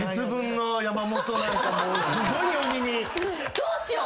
どうしよう！